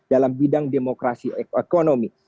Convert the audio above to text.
dalam bidang demokrasi ekonomi